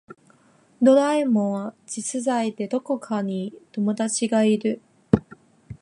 ドラえもんは実在でどこかに友達がいる